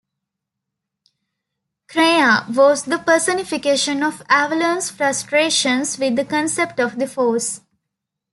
Kreia was the personification of Avellone's frustrations with the concept of the Force.